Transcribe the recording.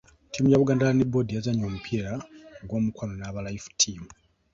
Ttiimu ya Buganda Land Board yazannye omupiira gw'omukwano n'aba Life Team.